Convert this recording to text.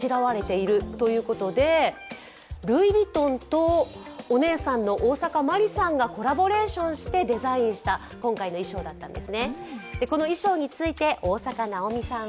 また柄の中には、日本の魚のコイがあしらわれているということでルイ・ヴィトンとお姉さんの大坂まりさんがコラボレーションしてデザインした今回の衣装だったんです。